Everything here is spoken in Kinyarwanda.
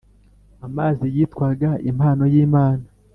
amazi yitwaga “impano y’Imana